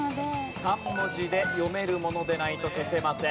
３文字で読めるものでないと消せません。